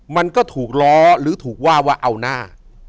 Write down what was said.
มันก็ถูกล้อหรือถูกว่าว่าเอาหน้า